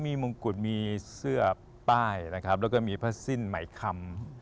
มีมงกุฎมีเสื้อป้ายนะครับแล้วก็มีผ้าสิ้นใหม่คำ